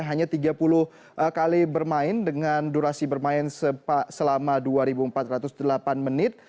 hanya tiga puluh kali bermain dengan durasi bermain selama dua empat ratus delapan menit